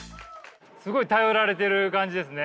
すごい頼られている感じですね。